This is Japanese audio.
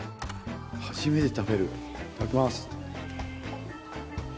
初めて食べるいただきます！